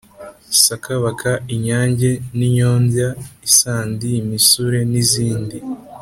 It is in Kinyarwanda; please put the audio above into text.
sakabaka, inyange n'inyombya, isandi, imisure n'izindi.